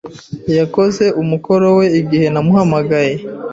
Yakoze umukoro we igihe namuhamagaye.